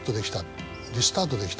リスタートできた。